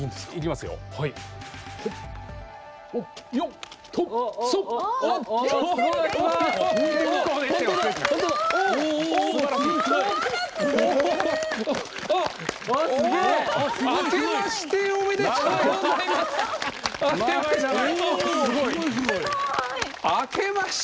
すごい！